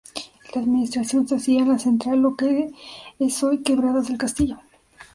La administración se hacía en La Central lo que es hoy Quebradas del Castillo.